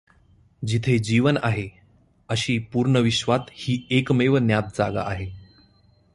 जिथे जीवन आहे, अशी पूर्ण विश्वात ही एकमेव ज्ञात जागा आहे.